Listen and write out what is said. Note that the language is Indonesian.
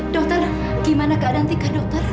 dokter gimana keadaan tika